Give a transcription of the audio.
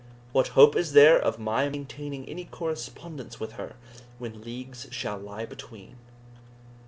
What hope is there of my maintaining any correspondence with her, when leagues shall lie between?"